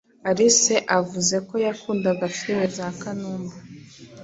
Alice avuzeko yakundaga film za kanumba